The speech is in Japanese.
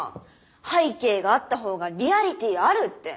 背景があったほうがリアリティあるって。